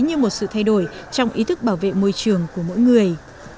như một sự thay đổi trong ý thức bảo vệ môi trường của mỗi người